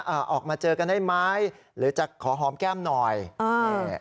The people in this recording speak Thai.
อ่าออกมาเจอกันได้ไหมหรือจะขอหอมแก้มหน่อยอ่า